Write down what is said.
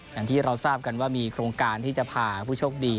อย่างที่เราทราบกันว่ามีโครงการที่จะพาผู้โชคดี